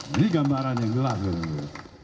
ini gambaran yang jelas